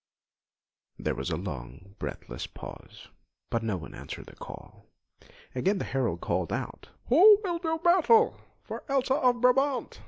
There was a long, breathless pause, but no one answered the call. Again the herald called out: "Who will do battle for Elsa of Brabant?"